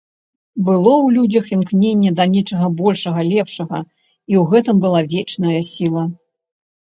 Было ў людзях імкненне да нечага большага, лепшага, і ў гэтым была вечная сіла.